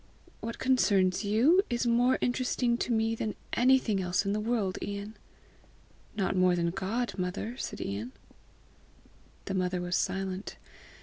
"What concerns you is more interesting to me than anything else in the whole world, Ian." "Not more than God, mother?" said Ian. The mother was silent.